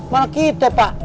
malah kita pak